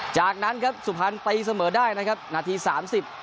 จากนั้นครับสุพรรณตีเสมอได้นะครับนาทีสามสิบ